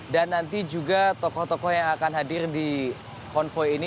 dan nanti juga tokoh tokoh yang akan hadir di konvoy ini